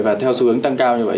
và theo xu hướng tăng cao như vậy